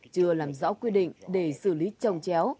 chưa làm rõ quy định để xử lý trồng chéo